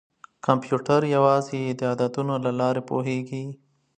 کمپیوټر یوازې د عددونو له لارې پوهېږي.